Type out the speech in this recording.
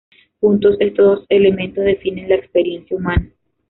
Juntos, estos dos elementos definen la experiencia humana.